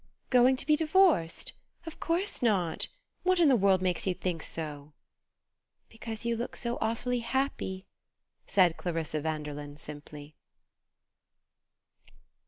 "Going to be divorced? Of course not! What in the world made you think so? " "Because you look so awfully happy," said Clarissa Vanderlyn simply.